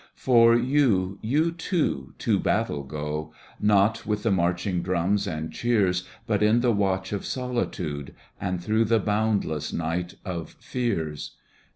For you, you too, to battle go. Not with the marching dnrnis and cheers But in the watch of solitude And through the boundless night of fears.